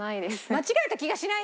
「間違えた気がしない」。